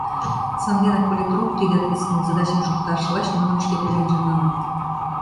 Санденак политрук тиде ответственный задачым шукташ лач нуным шке пеленже налын.